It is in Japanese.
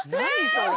それ。